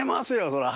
そりゃ。